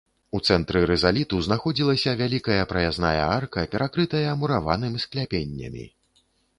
У цэнтры рызаліту знаходзілася вялікая праязная арка, перакрытая мураваным скляпеннямі.